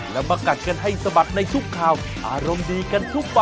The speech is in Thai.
และมากัดกันให้สบัดในทุกข่าว